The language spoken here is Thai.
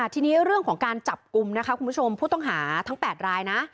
ทีนี้เรื่องของการจับกุมผู้ต้องหาทั้ง๘รายนะ